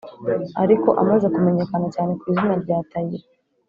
ariko amaze kumenyekana cyane ku izina rya Talia.